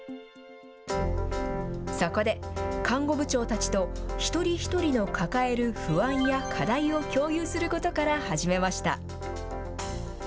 そこで、看護部長たちと、一人一人の抱える不安や課題を共有することから始めました。